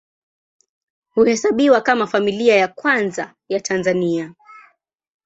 Huhesabiwa kama Familia ya Kwanza ya Tanzania.